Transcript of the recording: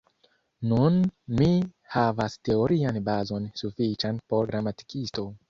Nun mi havas teorian bazon sufiĉan por gramatikisto.